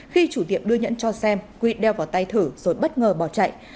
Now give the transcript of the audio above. khi chủ tiệm đưa nhẫn cho xem quy đeo vào tay thử rồi bất ngờ bỏ chạy